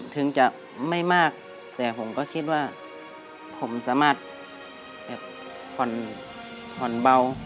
ถึงจะไม่มากแต่ผมก็คิดว่าผมสามารถขนเผา